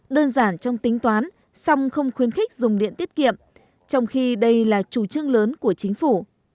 đơn giản trong tính toán xong không khuyến khích dùng điện tiết kiệm trong khi đây là chủ trương lớn của chính phủ